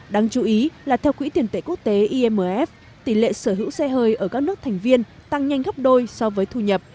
đáng chú ý là theo quỹ tiền tệ quốc tế imf tỷ lệ sở hữu xe hơi ở các nước thành viên tăng nhanh gấp đôi so với thu nhập